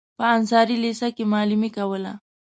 په انصاري لېسه کې معلمي کوله.